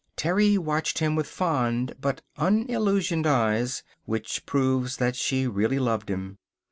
Terry watched him with fond but unillusioned eyes, which proves that she really loved him.